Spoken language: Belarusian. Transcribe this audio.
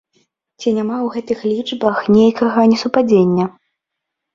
Ці няма у гэтых лічбах нейкага несупадзення?